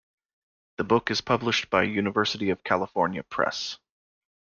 The book is published by University of California Press.